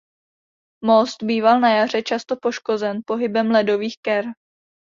Most býval na jaře často poškozen pohybem ledových ker.